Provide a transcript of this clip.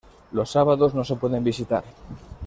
Los sábados no se pueden visitar.